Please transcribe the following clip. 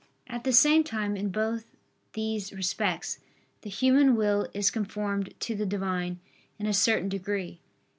At the same time in both these respects, the human will is conformed to the Divine, in a certain degree.